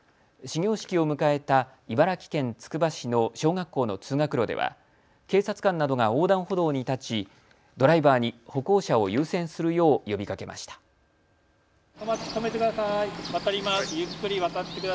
始業式を迎えた茨城県つくば市の小学校の通学路では警察官などが横断歩道に立ち、ドライバーに歩行者を優先するよう呼びかけました。